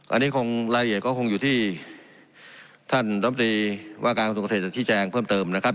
อันนี้คงละเอียดก็คงอยู่ที่ท่านว่าการการการการเกษตรที่แจงเพิ่มเติมนะครับ